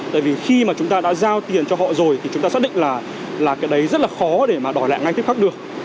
tại vì khi mà chúng ta đã giao tiền cho họ rồi thì chúng ta xác định là cái đấy rất là khó để mà đỏ lại ngay tiếp khắc được